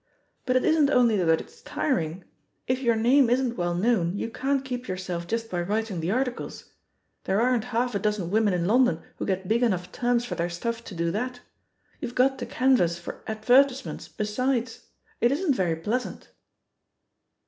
But it isn't only that it's tiring I If your name isn't well known, you can't keep yourself just by writing the ar ticles — ^there aren't half a dozen women in Lon don who get big enough terms for their stuff to do that — ^you've got to canvass for advertise ments besides. It isn't very pleasant."